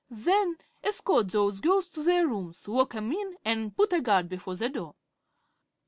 "Then escort those girls to their rooms, lock 'em in, an' put a guard before the door."